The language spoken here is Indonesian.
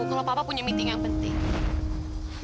kalau papa punya meeting yang penting